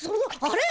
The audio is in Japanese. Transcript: あれ？